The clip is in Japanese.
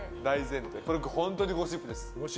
これは本当にゴシップです。